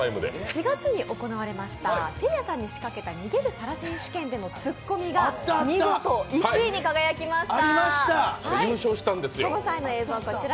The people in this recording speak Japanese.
４月に行われましたせいやさんに仕掛けた逃げる皿選手権でのツッコミが見事１位に輝きました！